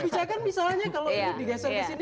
kebijakan misalnya kalau ini digeser ke sini